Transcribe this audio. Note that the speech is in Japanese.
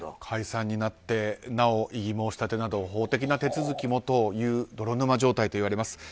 解散になってなお異議申し立てなど法的な手続きもという泥沼状態といわれます。